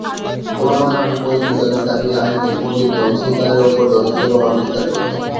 উলামা নামে পরিচিত ইসলামী আইনে পন্ডিতগণ সুলতানের ওপর যথেষ্ট প্রভাব বিস্তার করতেন।